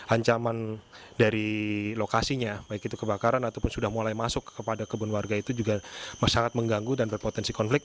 ancaman dari lokasinya baik itu kebakaran ataupun sudah mulai masuk kepada kebun warga itu juga sangat mengganggu dan berpotensi konflik